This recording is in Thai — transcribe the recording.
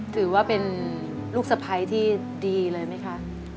ถือว่าเป็นลูกสะพ้ายที่ดีเลยไหมคะ